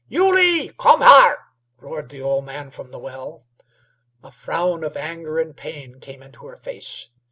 "Yulie! Kom haar!" roared the old man from the well. A frown of anger and pain came into her face.